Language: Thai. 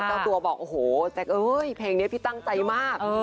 ตั้งตัวบอกโอ้โหแต่ว่าเฮ้ยเปล่งเนี้ยพี่ตั้งใจมาก